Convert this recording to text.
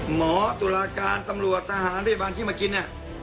หมอตุลาการตำรวจทหารพยาบาลที่มากิน